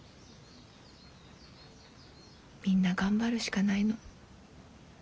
みんな頑張るしかないの。